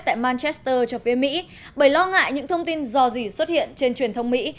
tại manchester cho phía mỹ bởi lo ngại những thông tin dò dỉ xuất hiện trên truyền thông mỹ